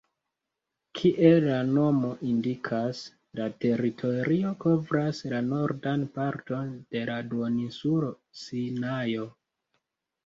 Kiel la nomo indikas, la teritorio kovras la nordan parton de la duoninsulo Sinajo.